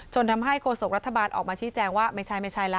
จนทำให้โคโสกรัฐบาลออกมาชี้แจงว่าไม่ใช่แล้ว